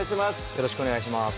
よろしくお願いします